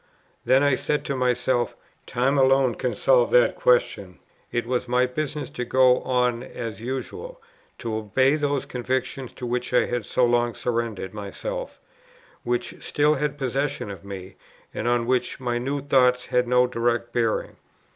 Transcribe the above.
Then I said to myself, Time alone can solve that question. It was my business to go on as usual, to obey those convictions to which I had so long surrendered myself, which still had possession of me, and on which my new thoughts had no direct bearing.